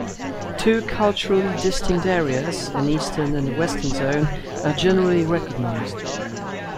Two culturally distinct areas, an eastern and a western zone are generally recognised.